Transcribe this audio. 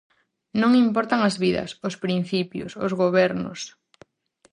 Non importan as vidas, os principios, os gobernos...